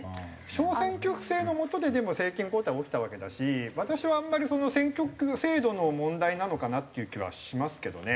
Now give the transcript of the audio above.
小選挙区制のもとででも政権交代は起きたわけだし私は選挙区制度の問題なのかなっていう気はしますけどね。